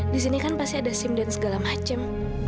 disini kan pasti ada sim dan segala macem